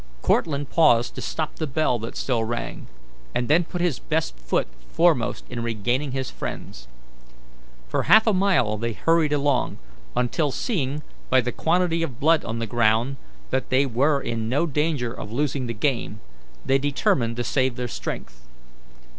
Cortlandt paused to stop the bell that still rang, and then put his best foot foremost in regaining his friends. For half a mile they hurried along, until, seeing by the quantity of blood on the ground that they were in no danger of losing the game, they determined to save their strength.